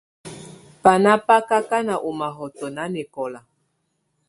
Banà bá kà kanà ù mahɔtɔ nanɛkɔlà.